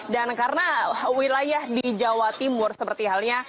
dan karena wilayah di jawa timur seperti halnya